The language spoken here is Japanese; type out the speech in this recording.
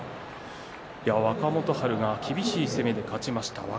若元春が厳しい攻めで勝ちました。